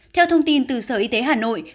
theo thông tin từ sở y tế hà nội